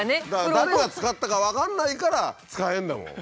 誰が使ったか分かんないから使えんだもん。